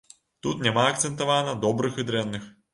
Тут няма акцэнтавана добрых і дрэнных.